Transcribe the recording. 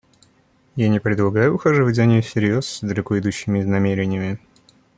Я не предлагаю ухаживать за ней всерьез с далеко идущими намерениями.